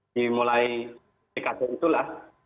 dimulai dikata itulah